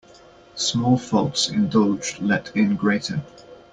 Small faults indulged let in greater.